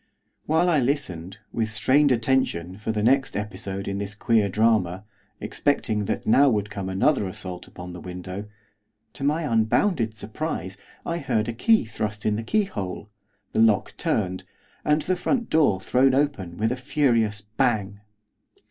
While I listened, with strained attention, for the next episode in this queer drama, expecting that now would come another assault upon the window, to my unbounded surprise I heard a key thrust in the keyhole, the lock turned, and the front door thrown open with a furious bang.